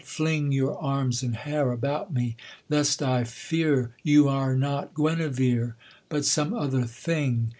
fling Your arms and hair about me, lest I fear You are not Guenevere, but some other thing.'